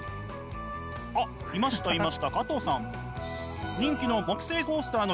あっいましたいました加藤さん。